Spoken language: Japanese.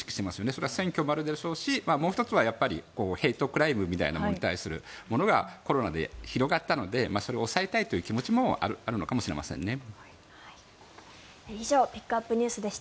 それは選挙もあるでしょうしもう１つはヘイトクライムみたいなものに対するものがコロナで広がったのでそれを抑えたいという気持ちもあるのかもしれませんね。